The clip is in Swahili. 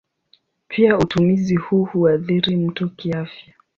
Pia utumizi huu huathiri mtu kiafya.